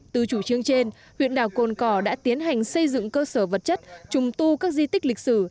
từ chủ trương trên huyện đảo cồn cỏ đã tiến hành xây dựng cơ sở vật chất trùng tu các di tích lịch sử